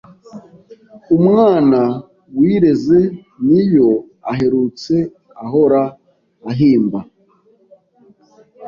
"Umwana wireze" ni yo aherutse Ahora ahimba